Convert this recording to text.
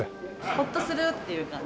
ホッとするっていう感じ。